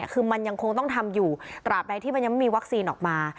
คือมันยังคงต้องทำอยู่ตราบใดที่มันยังไม่มีวัคซีนออกมา